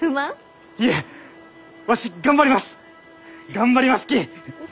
頑張りますき！